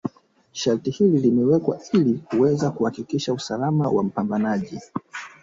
Sharti hili limewekwa ili kuweza kuhakikisha usalama wa mpandaji